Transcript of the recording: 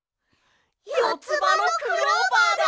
よつばのクローバーだ！